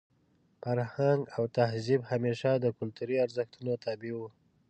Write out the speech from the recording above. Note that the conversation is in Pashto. فرهنګ او تهذیب همېشه د کلتوري ارزښتونو تابع وو.